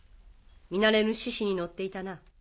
見慣れぬシシに乗っていたな。